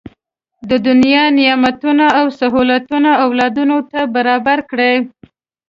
د دنیا نعمتونه او سهولتونه اولادونو ته برابر کړي.